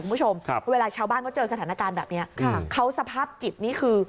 คุณผู้ชมครับเวลาชาวบ้านเขาเจอสถานการณ์แบบนี้ค่ะเขาสภาพจิตนี่คือ